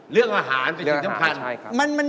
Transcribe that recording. เลือกอาหารเป็นใช้จำคัญ